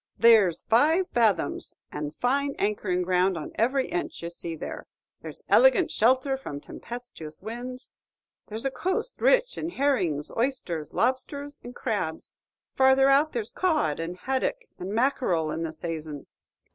"There's five fathoms, and fine anchoring ground on every inch ye see there. There's elegant shelter from tempestuous winds. There's a coast rich in herrings, oysters, lobsters, and crabs; farther out there's cod, and haddock, and mackerel in the sayson.